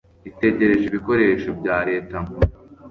itegereje ibikoresho bya leta nkuru